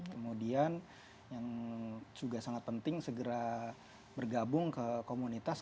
kemudian yang juga sangat penting segera bergabung ke komunitas